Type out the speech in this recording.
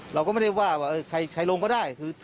เราก็ไม่ได้ว่าว่าใครลงก็ได้คือ